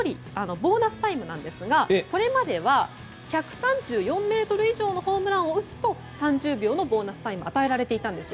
ボーナスタイムなんですがこれまでは１３４ｍ以上のホームランを打つと３０秒のボーナスタイムが与えられていたんです。